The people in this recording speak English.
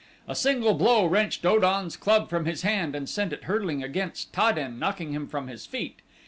A single blow wrenched O dan's club from his hand and sent it hurtling against Ta den, knocking him from his feet.